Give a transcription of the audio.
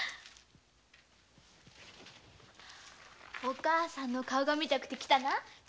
お母さんの顔が見たくて来たな？